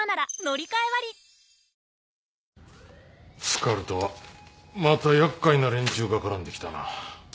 スカルとはまた厄介な連中が絡んできたな。